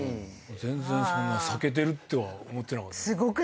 全然そんな避けてるとは思ってなかった。